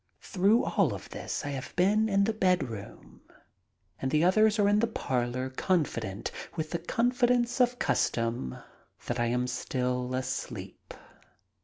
(Through all of this I have been in the bedroom, and the others are in the parlor confident, with the confidence of custom, that I am still asleep.)